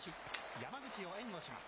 山口を援護します。